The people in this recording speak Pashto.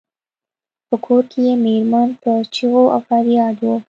په کور کې یې میرمن په چیغو او فریاد وه.